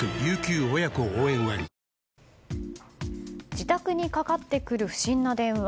自宅にかかってくる不審な電話。